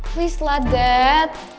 please lah dad